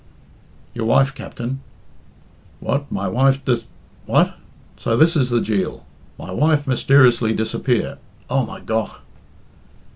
"Your wife, Captain " "What? My wife disa What? So this is the jeel! My wife mysteriously disappear Oh, my gough!"